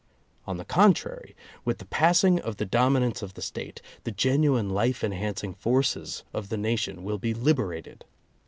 On the contrary, with the passing of the dominance of the State, the genuine life enhancing forces of the nation will be liberated.